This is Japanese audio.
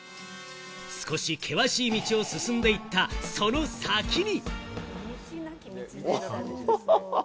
少し険しい道を進んでいった、その先に。